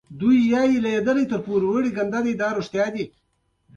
چړه یې په ورمېږ ورکېښوده